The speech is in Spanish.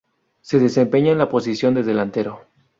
Se desempeña en la posición de delantero.